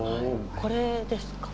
これですか？